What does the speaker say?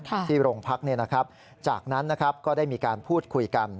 ค่ะที่โรงพักษณ์นี้นะครับจากนั้นนะครับก็ได้มีการพูดคุยกัน